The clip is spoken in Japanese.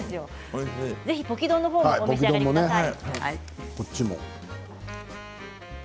ぜひポキ丼の方もお召し上がりください。